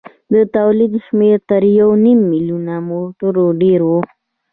د تولید شمېر تر یو نیم میلیون موټرو ډېر و.